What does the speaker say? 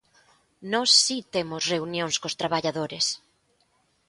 Nós si temos reunións cos traballadores.